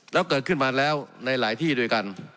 แล้วเกิดขึ้นมาแล้วในหลายที่ด้วยกัน